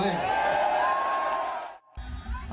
ครับ